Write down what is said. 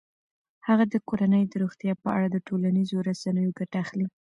هغه د کورنۍ د روغتیا په اړه د ټولنیزو رسنیو ګټه اخلي.